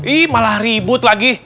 ih malah ribut lah